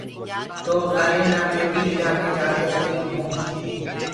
تو ڪآلي نآ مي بي اُرا مي جآڪي شريٚڪ هويوٚنٚ۔